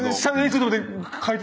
ちょっと待って。